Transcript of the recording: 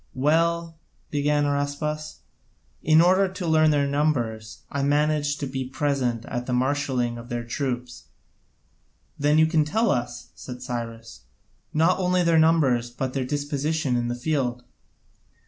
"Well," began Araspas, "in order to learn their numbers, I managed to be present at the marshalling of their troops." "Then you can tell us," said Cyrus, "not only their numbers but their disposition in the field."